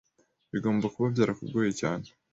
Bigomba kuba byarakugoye cyane.